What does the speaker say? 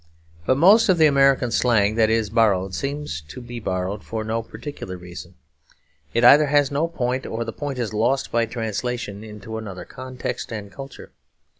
But most of the American slang that is borrowed seems to be borrowed for no particular reason. It either has no point or the point is lost by translation into another context and culture.